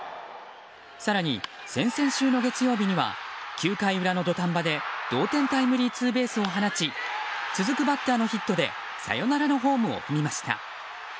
更に先々週の月曜日には９回裏の土壇場で同点タイムリーツーベースを放ち続くバッターのヒットでサヨナラのホームを踏みました。